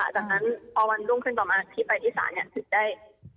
จากนั้นพอวันรุ่งขึ้นต่อมาที่ไปที่สารเนี่ยถึงได้